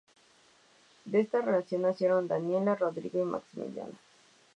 De esta relación nacieron Daniella, Rodrigo y Maximiliano.